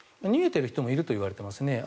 逃げてる人もいるといわれていますね。